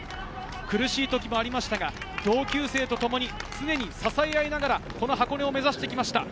苦しい時もありましたが同級生とともに常に支え合いながら箱根を目指してきました。